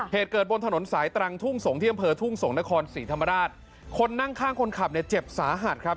เหตุเกิดบนถนนสายตรางทุ่งสงธยำเผย์ทุ่งสงและคลานสิรธรรมาศคนนั่งข้างคนขับในเจ็บสาหัสครับ